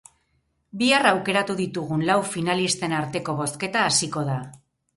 Bihar aukeratu ditugun lau finalisten arteko bozketa hasiko da.